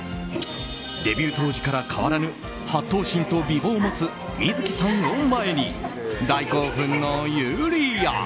デビュー当時から変わらぬ８頭身と美貌を持つ観月さんを前に大興奮の、ゆりやん。